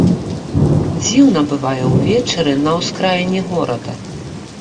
Дзіўна бывае ўвечары на ўскраіне горада.